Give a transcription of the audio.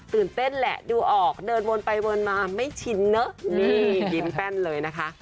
เต้นแหละดูออกเดินวนไปวนมาไม่ชินเนอะนี่ยิ้มแป้นเลยนะคะ